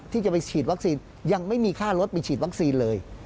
ที่จะไปฉีดวัคซีนยังไม่มีค่ารถไปฉีดวัคซีนเลย